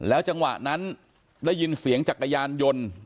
จังหวะนั้นได้ยินเสียงจักรยานยนต์